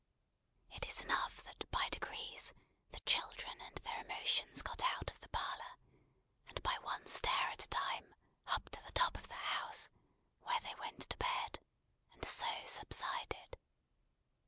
It is enough that by degrees the children and their emotions got out of the parlour, and by one stair at a time, up to the top of the house; where they went to bed, and so subsided.